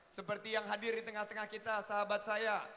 seperti yang hadir di tengah tengah kita sahabat saya